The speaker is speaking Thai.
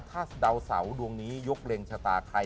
ถ้าดาวเสาดวงนี้ยกเล็งชะตาใคร